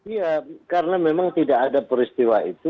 iya karena memang tidak ada peristiwa itu